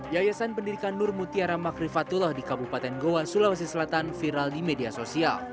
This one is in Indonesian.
yayasan pendidikan nur mutiara makrifatullah di kabupaten goa sulawesi selatan viral di media sosial